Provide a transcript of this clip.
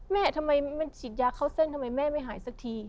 แม่ทำไมมันฉีดยาเข้าเส้นทำไมแม่ไม่หายสักที